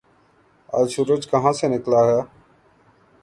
آج سورج کہاں سے نکلا ہے